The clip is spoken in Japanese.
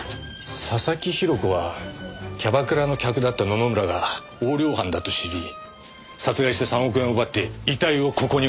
佐々木広子はキャバクラの客だった野々村が横領犯だと知り殺害して３億円を奪って遺体をここに埋めたんだよ。